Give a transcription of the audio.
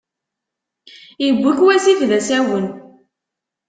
Iwwi-k wasif d asawen.